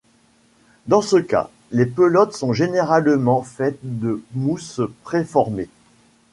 Dans ce cas, les pelotes sont généralement faites de mousse préformée.